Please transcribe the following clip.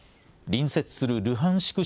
隣接するルハンシク